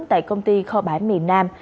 tại công ty kho bãi miền nam